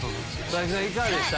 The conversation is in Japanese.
いかがでした？